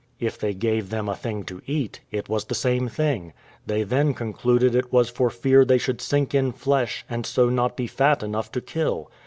If they gave them thing to eat, it was the same thing; they then concluded it was for fear they should sink in flesh, and so not be fat enough to kill.